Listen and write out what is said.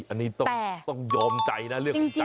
อันนี้ต้องยอมใจนะเรื่องของใจ